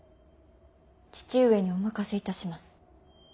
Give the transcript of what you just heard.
父上にお任せいたします。